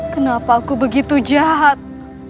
kenapa aku begitu jahat